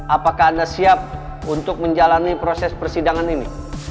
apakah anda siap untuk menjalani proses persidangan ini